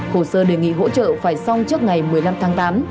hồ sơ đề nghị hỗ trợ phải xong trước ngày một mươi năm tháng tám